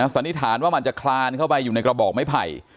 สันนิษฐานว่ามันจะคลานเข้าไปอยู่ในกระบอกไม้ไผ่